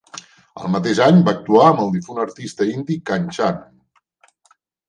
El mateix any, va actuar amb el difunt artista indi Kanchan.